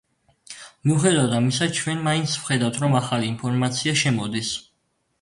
მიუხედავად ამისა ჩვენ მაინც ვხედავთ, რომ ახალი ინფორმაცია შემოდის.